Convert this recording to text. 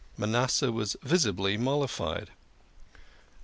Manasseh was visibly mollified.